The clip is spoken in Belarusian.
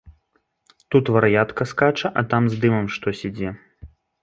Тут вар'ятка скача, а там з дымам штось ідзе.